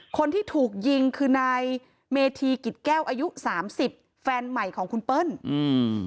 คนที่ถูกยิงคือนายเมธีกิจแก้วอายุสามสิบแฟนใหม่ของคุณเปิ้ลอืม